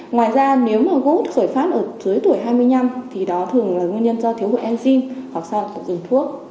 ngoài ra nếu mà gốt khởi phát ở dưới tuổi hai mươi năm thì đó thường là nguyên nhân do thiếu hội enzym hoặc do dùng thuốc